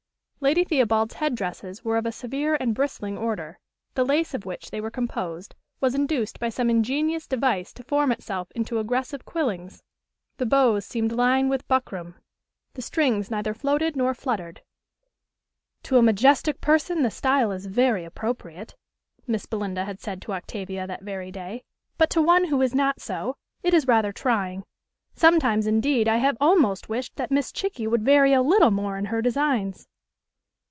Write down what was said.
Lady Theobald's head dresses were of a severe and bristling order. The lace of which they were composed was induced by some ingenious device to form itself into aggressive quillings, the bows seemed lined with buckram, the strings neither floated nor fluttered. "To a majestic person the style is very appropriate," Miss Belinda had said to Octavia that very day; "but to one who is not so, it is rather trying. Sometimes, indeed, I have almost wished that Miss Chickie would vary a little more in her designs."